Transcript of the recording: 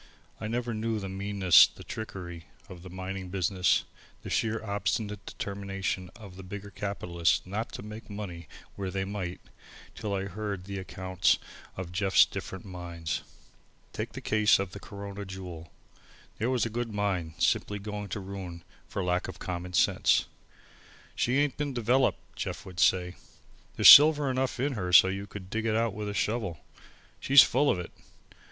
I never knew the meanness, the trickery, of the mining business, the sheer obstinate determination of the bigger capitalists not to make money when they might, till I heard the accounts of Jeff's different mines. Take the case of Corona Jewel. There was a good mine, simply going to ruin for lack of common sense. "She ain't been developed," Jeff would say. "There's silver enough in her so you could dig it out with a shovel. She's full of it.